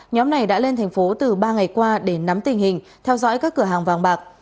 nhóm này đã lên thành phố từ ba ngày qua để nắm tình hình theo dõi các cửa hàng vàng bạc